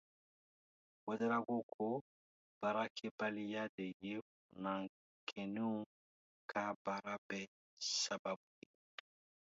Ouédraogo ko baarakɛbaliya de ye funankɛninw ka baara bɛɛ sababu ye